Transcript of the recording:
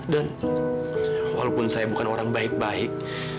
dan walaupun saya bukan orang baik baik